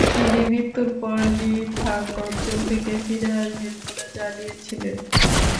তিনি মৃত্যুর পর লি-থাং অঞ্চল থেকে ফিরে আসবেন বলে জানিয়েছিলেন।